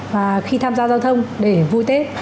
và khi tham gia giao thông để vui tết